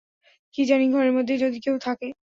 কী জানি ঘরের মধ্যে যদি কেহ থাকে।